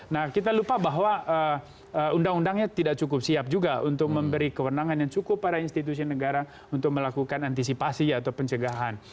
nah kita lupa bahwa undang undangnya tidak cukup siap juga untuk memberi kewenangan yang cukup pada institusi negara untuk melakukan antisipasi atau pencegahan